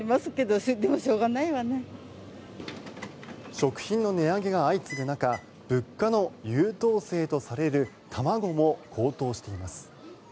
食品の値上げが相次ぐ中物価の優等生とされる卵の値段も高騰しています。